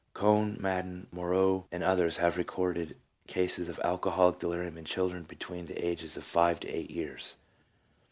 Cohn, Maden, Moreau, and others have recorded cases of alcoholic delirium in children between the ages of five to eight years."